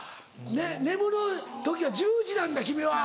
眠る時は１０時なんだ君は。